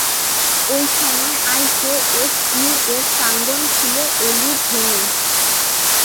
ঐ সময়ে, আইকেএসইউ-এর প্রাঙ্গণ ছিল এলিডহেমে।